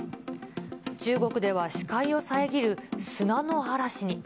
中国では視界を遮る砂の嵐に。